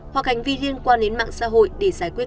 hoặc hành vi liên quan đến mạng xã hội để giải quyết